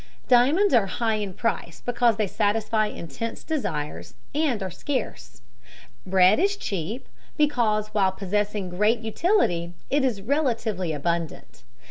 Diamonds are high in price because they satisfy intense desires and are scarce; bread is cheap because while possessing great utility, it is relatively abundant.